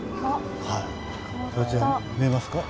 はいこちら見えますか？